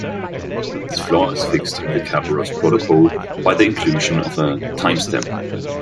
This flaw is fixed in the Kerberos protocol by the inclusion of a timestamp.